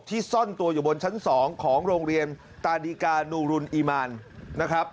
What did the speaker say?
ซ่อนตัวอยู่บนชั้น๒ของโรงเรียนตาดิกานูรุนอีมานนะครับ